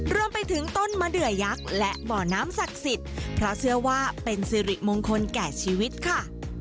รวมไปถึงต้นมะเดือยักษ์และบ่อน้ำศักดิ์สิทธิ์เพราะเชื่อว่าเป็นสิริมงคลแก่ชีวิตค่ะ